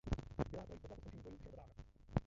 Zbylá trojice byla po skončení bojů sešrotována.